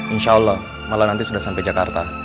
insya allah malam nanti sudah sampai jakarta